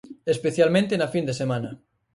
Especialmente na fin de semana.